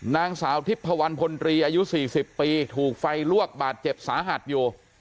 นางสาวทิพพวันพลตรีอายุ๔๐ปีถูกไฟลวกบาดเจ็บสาหัสอยู่